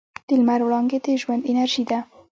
د لمر وړانګې د ژوند انرژي ده.